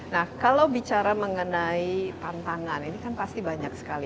nah kalau bicara mengenai tantangan ini kan pasti banyak sekali